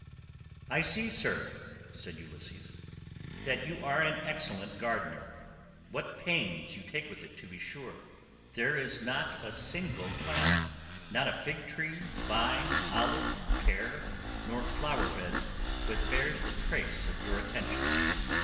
"I see, sir," said Ulysses, "that you are an excellent gardener—what pains you take with it, to be sure. There is not a single plant, not a fig tree, vine, olive, pear, nor flower bed, but bears the trace of your attention.